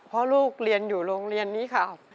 เพราะลูกเรียนอยู่โรงเรียนนี้ค่ะ